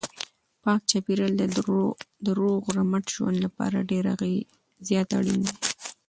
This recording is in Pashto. پاک چاپیریال د روغ رمټ ژوند لپاره ډېر زیات اړین دی.